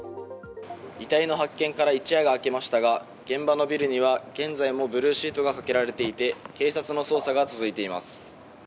遺体の発見から一夜が明けましたが現場のビルには現在もブルーシートがかけられていて警察の捜査が続いています。